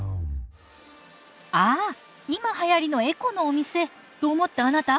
ああ今はやりのエコのお店と思ったあなた。